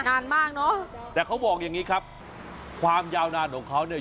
นานมากเนอะแต่เขาบอกอย่างงี้ครับความยาวนานของเขาเนี่ย